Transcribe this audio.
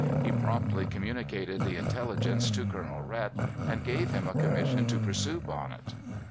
He promptly communicated the intelligence to Colonel Rhet, and gave him a commission to pursue Bonnet.